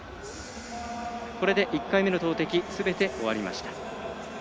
これで１回目の投てきすべて終わりました。